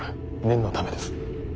念のためです。